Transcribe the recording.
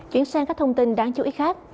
chuyển sang các thông tin đáng chú ý khác